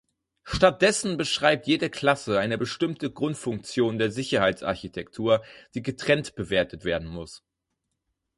Stattdessen beschreibt jede Klasse eine bestimmte Grundfunktion der Sicherheitsarchitektur, die getrennt bewertet werden muss.